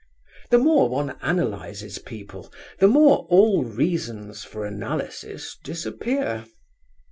The more one analyses people, the more all reasons for analysis disappear.